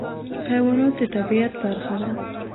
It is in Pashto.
حیوانات د طبیعت برخه ده.